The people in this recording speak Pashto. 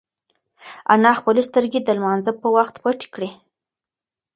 انا خپلې سترگې د لمانځه په وخت پټې کړې.